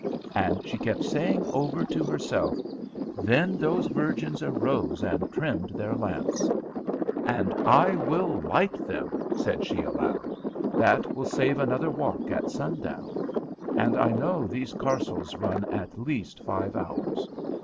And she kept saying over to herself, "Then those virgins arose and trimmed their lamps." "And I will light them," said she aloud. "That will save another walk at sundown. And I know these carcels run at least five hours."